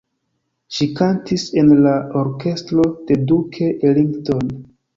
Ŝi kantis en la orkestro de Duke Ellington.